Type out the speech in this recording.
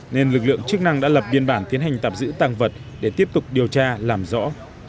nên lực lượng chức năng đã lập biên bản tiến hành tạm giữ tăng vật để tiếp tục điều tra làm rõ